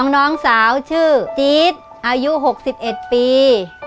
น้องสาวชื่อจี๊ดอายุ๖๑ปี